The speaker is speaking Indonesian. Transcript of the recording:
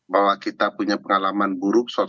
bahwa kita punya pengalaman buruk